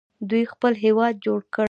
دوی خپل هیواد جوړ کړ.